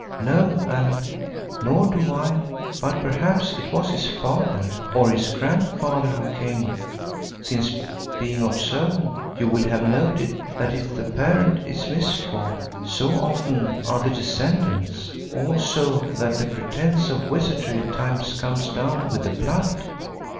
"No, Allan, nor do I, but perhaps it was his father, or his grandfather who came, since being observant, you will have noted that if the parent is mis formed, so often are the descendants; also that the pretence of wizardry at times comes down with the blood."